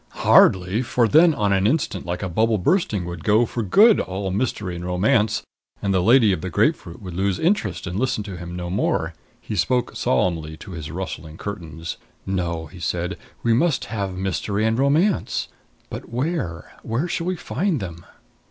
Hardly! For then, on the instant, like a bubble bursting, would go for good all mystery and romance, and the lady of the grapefruit would lose all interest and listen to him no more. He spoke solemnly to his rustling curtains. "No," he said. "We must have mystery and romance. But where where shall we find them?"